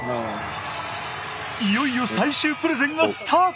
いよいよ最終プレゼンがスタート！